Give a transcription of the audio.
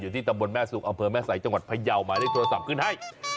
ที่ตำบลแม่สุกอำเภอแม่สายจังหวัดพยาวหมายเลขโทรศัพท์ขึ้นให้